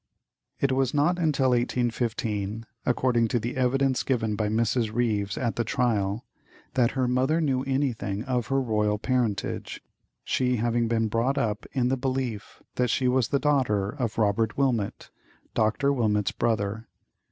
It was not until 1815, according to the evidence given by Mrs. Ryves at the trial, that her mother knew anything of her royal parentage, she having been brought up in the belief that she was the daughter of Robert Wilmot, Dr. Wilmot's brother.